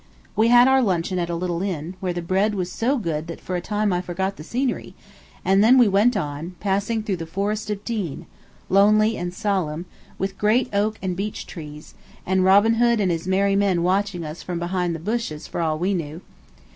We had our luncheon at a little inn, where the bread was so good that for a time I forgot the scenery, and then we went on, passing through the Forest of Dean, lonely and solemn, with great oak and beech trees, and Robin Hood and his merry men watching us from behind the bushes for all we knew.